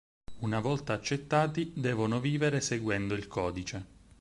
Una volta accettati devono vivere seguendo il codice.